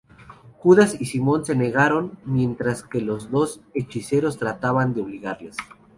Judas y Simón se negaron, mientras que los dos hechiceros trataban de obligarles.